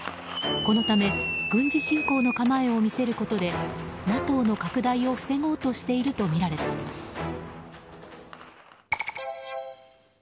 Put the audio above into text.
このため軍事侵攻の構えを見せることでＮＡＴＯの拡大を防ごうとしているとみられています。